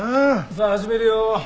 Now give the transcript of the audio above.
さあ始めるよ。